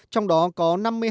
trong đó có năm mươi hai dự án